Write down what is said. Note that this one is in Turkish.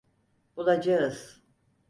Bulacağız.